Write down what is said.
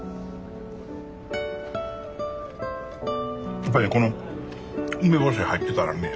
やっぱりねこの梅干し入ってたらね